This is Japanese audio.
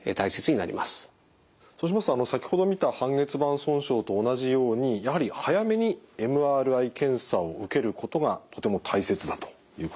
そうしますと先ほど見た半月板損傷と同じようにやはり早めにＭＲＩ検査を受けることがとても大切だということですね。